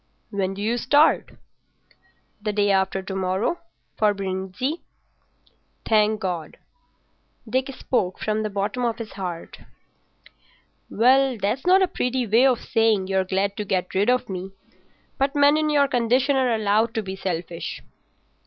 "When do you start?" "The day after to morrow—for Brindisi." "Thank God." Dick spoke from the bottom of his heart. "Well, that's not a pretty way of saying you're glad to get rid of me. But men in your condition are allowed to be selfish."